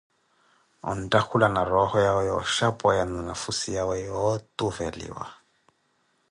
Onttakhula na rooho yawe yooxhapweya na nafhusi yawe yootuveliwa.